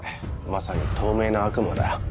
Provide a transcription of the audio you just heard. まさに透明な悪魔だ。